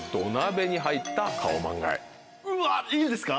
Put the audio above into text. うわいいんですか？